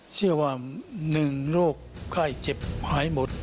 เชื่อว่า๑โรคไข้เจ็บหายหมด